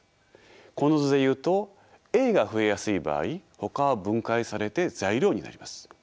この図で言うとＡが増えやすい場合ほかは分解されて材料になります。